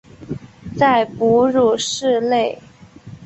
在哺乳室内